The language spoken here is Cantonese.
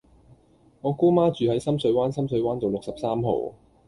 我姑媽住喺深水灣深水灣道六十三號